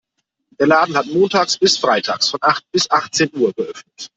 Der Laden hat montags bis freitags von acht bis achtzehn Uhr geöffnet.